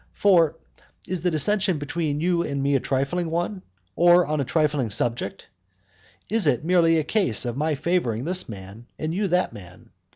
For is the dissension between you and me a trifling one, or on a trifling subject? Is it merely a case of my favouring this man, and you that man?